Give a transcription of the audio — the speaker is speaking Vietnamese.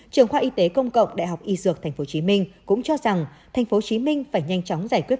trường khoa y tế công cộng đại học y dược tp hcm cũng cho rằng tp hcm phải nhanh chóng giải quyết